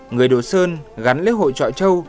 người đồ sơn gắn lễ hội chợ châu